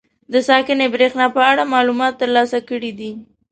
د ساکنې برېښنا په اړه معلومات تر لاسه کړي دي.